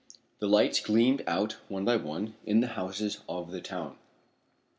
The lights gleamed out one by one in the houses of the town.